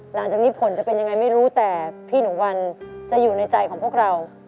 หลังจากนี้ผลจะเป็นยังไงไม่รู้แต่พี่หนูวันจะอยู่ในใจของพวกเรา